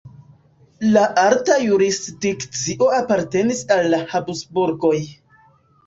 La alta jurisdikcio apartenis al la Habsburgoj.